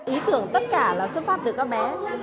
ý tưởng tất cả là xuất phát từ các bé